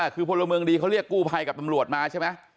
คือพลเมืองดีเขาเรียกกู้ภัยกับตำรวจมาใช่ไหม